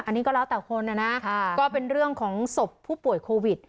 อันนี้ก็แล้วแต่คนนะนะก็เป็นเรื่องของศพผู้ป่วยโควิด